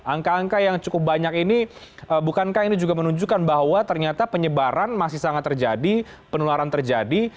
angka angka yang cukup banyak ini bukankah ini juga menunjukkan bahwa ternyata penyebaran masih sangat terjadi penularan terjadi